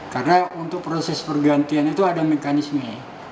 karena untuk proses pergantian itu ada mekanisme